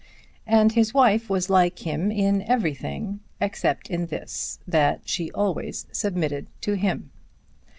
And his wife was like him in everything, except in this, that she always submitted to him.